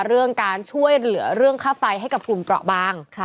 เรื่องการช่วยเหลือเรื่องค่าไฟให้กับกลุ่มเปราะบาง